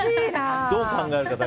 どう考えるか。